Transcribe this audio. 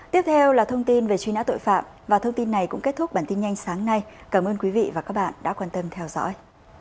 tiếp theo là thông tin về truy nã tội phạm và thông tin này cũng kết thúc bản tin nhanh sáng nay cảm ơn quý vị và các bạn đã quan tâm theo dõi